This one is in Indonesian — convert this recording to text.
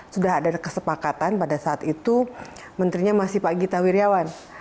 sudah ada kesepakatan pada saat itu menterinya masih pak gita wirjawan